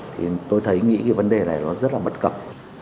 thì tôi thấy nghĩ cái vấn đề này nó rất là bất cập